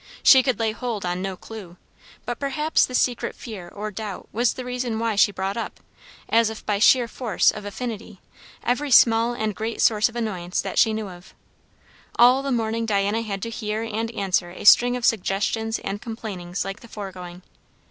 She could lay hold on no clue, but perhaps the secret fear or doubt was the reason why she brought up, as if by sheer force of affinity, every small and great source of annoyance that she knew of. All the morning Diana had to hear and answer a string of suggestions and complainings like the foregoing.